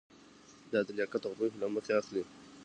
دا د لیاقت او پوهې له مخې اخلي.